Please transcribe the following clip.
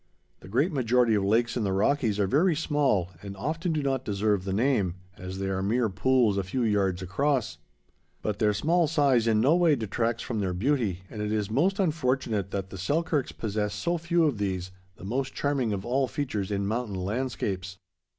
The great majority of lakes in the Rockies are very small and often do not deserve the name, as they are mere pools a few yards across. But their small size in no way detracts from their beauty, and it is most unfortunate that the Selkirks possess so few of these, the most charming of all features in mountain landscapes.